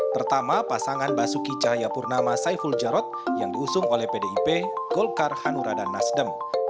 pertama pasangan basuki cahayapurnama saiful jarod yang diusung oleh pdip golkar hanura dan nasdem